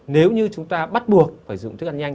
nếu như chúng ta bắt buộc phải dùng thức ăn nhanh